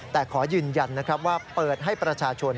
แต่ขอยืนยันนะครับว่าเปิดให้ประชาชน